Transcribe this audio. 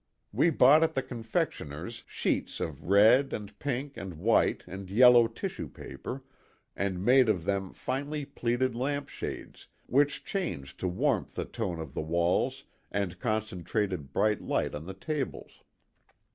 We bought at the confectioner's sheets of red and pink and white and yellow tissue paper and made of them finely pleated lamp shades which changed to warmth the tone of the walls and concentrated bright light on the tables.